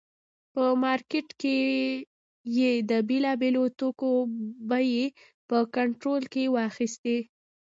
په مارکېټ کې یې د بېلابېلو توکو بیې په کنټرول کې واخیستې.